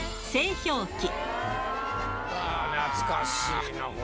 懐かしいな、これ。